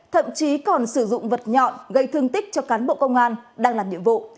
thậm chí còn sử dụng vật nhọn gây thương tích cho cán bộ công an đang làm nhiệm vụ